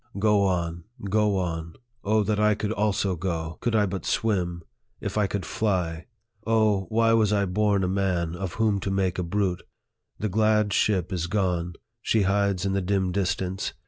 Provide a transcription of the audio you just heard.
Go on, go on. O that I could also go ! Could I but swim ! If I could fly ! O, why was I born a man, of whom to make a brute ! The glad ship is gone ; she hides in the dim distance.